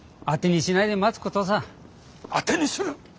当てにする！